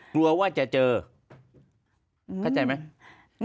กลัวว่าจะเจอเข้าใจไหม